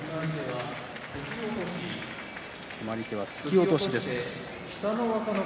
決まり手は突き落としです。